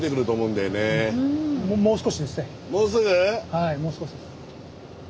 はいもう少しです。